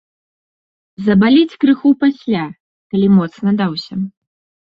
Забаліць крыху пасля, калі моцна даўся.